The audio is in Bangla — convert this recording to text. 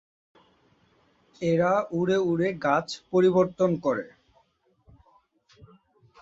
এরা উড়ে উড়ে গাছ পরিবর্তন করে।